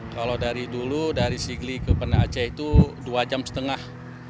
kalau dari dulu dari sigli ke banda aceh itu dua jam setengah